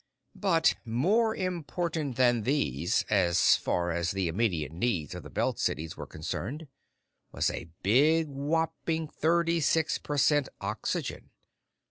But more important than these, as far as the immediate needs of the Belt cities were concerned, was a big, whopping thirty six per cent oxygen.